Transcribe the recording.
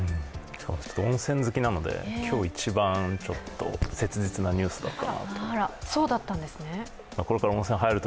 温泉好きなので、今日一番ちょっと切実なニュースだったなと。